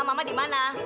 mama di mana